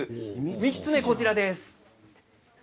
３つ目は、こちらです。